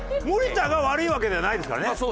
森田が悪いわけではないですからね。